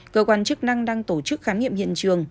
cơ quan chức năng đang tổ chức khám nghiệm hiện trường